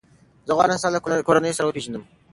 زه غواړم ستا له کورنۍ سره وپېژنم.